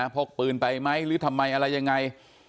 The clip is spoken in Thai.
พกปืนไปไหมหรือทำไมอะไรยังไง